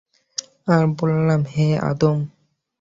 আর বললাম, হে আদম!